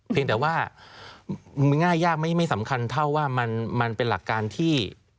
เพียงแต่ว่าง่ายยากไม่สำคัญเท่าว่ามันเป็นหลักการที่